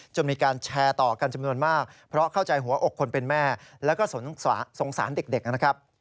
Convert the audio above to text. มีการแชร์ต่อกันจำนวนมากเพราะเข้าใจหัวอกคนเป็นแม่แล้วก็สงสารเด็กนะครับ